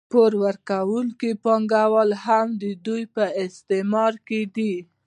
پور ورکوونکي پانګوال هم د دوی په استثمار کې دي